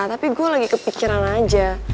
tapi gue lagi kepikiran aja